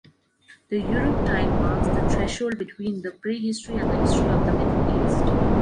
The Uruk time marks the threshold between the prehistory and the history of the Middle East.